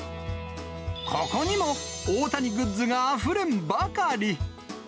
ここにも大谷グッズがあふれんばかり。